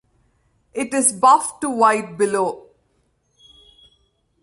It is buff to white below.